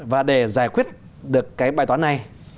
và để giải quyết được cái bài toán này